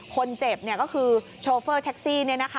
คนเจ็บก็คือโชเฟอร์แท็กซี่